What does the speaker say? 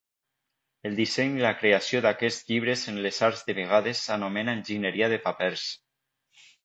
El disseny i la creació d'aquests llibres en les arts de vegades s'anomena "enginyeria de papers".